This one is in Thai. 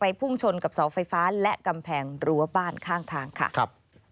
พุ่งชนกับเสาไฟฟ้าและกำแพงรั้วบ้านข้างทางค่ะครับ